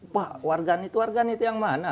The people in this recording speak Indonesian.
pak warga itu warganet yang mana